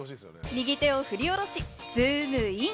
右手をふり下ろし、ズームイン！！